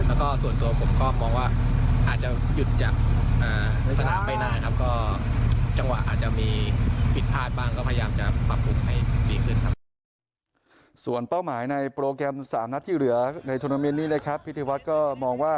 แล้วก็ส่วนตัวผมก็มองว่าอาจจะหยุดจากสนามไปหน้าครับ